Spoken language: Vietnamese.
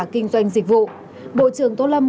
kinh doanh dịch vụ bộ trưởng tô lâm